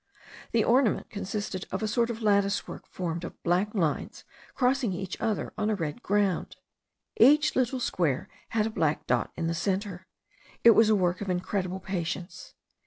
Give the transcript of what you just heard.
The ornament consisted of a sort of lattice work formed of black lines crossing each other on a red ground. Each little square had a black dot in the centre. It was a work of incredible patience.